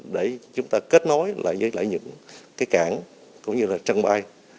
để chúng ta kết nối lại với những cảng cũng như là trăng bay